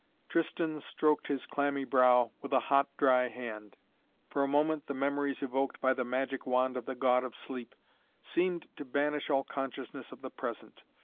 Tristan stroked his clammy brow with a hot, dry hand. For a moment the memories evoked by the magic wand of the God of Sleep seemed to banish all consciousness of the present.